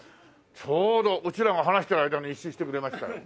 ちょうどうちらが話してる間に一周してくれましたよ。